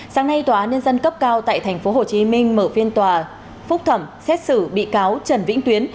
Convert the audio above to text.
sáng nay tòa án nhân dân cấp cao tại tp hcm mở phiên tòa phúc thẩm xét xử bị cáo trần vĩnh tuyến